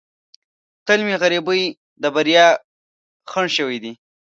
تل مې غریبۍ د بریا خنډ شوې ده.